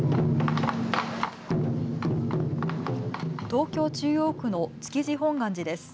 東京中央区の築地本願寺です。